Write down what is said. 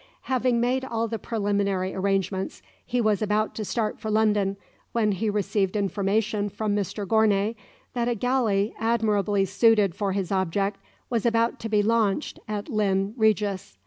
Having made all the preliminary arrangements, he was about to start for London, when he received information from Mr Gournay that a galley admirably suited for his object was about to be launched at Lynn Regis.